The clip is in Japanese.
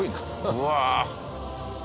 うわ！